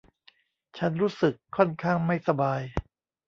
ฉันรู้สึกค่อนข้างไม่สบาย